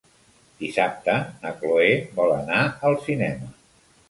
Dissabte na Cloè vol anar al cinema.